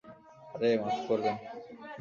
আরে, মাফ করবেন।